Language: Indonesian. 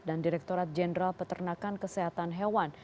dan direkturat jenderal peternakan kesehatan hewan